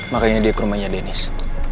makanya dia ke rumahnya deniz